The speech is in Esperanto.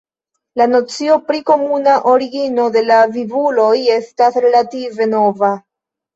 La nocio pri komuna origino de la vivuloj estas relative nova.